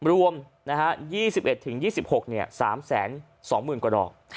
รวม๒๑๒๖มี๓๒๐๐๐๐ดอก